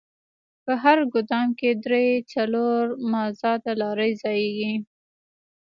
په هر ګودام کښې درې څلور مازدا لارۍ ځايېږي.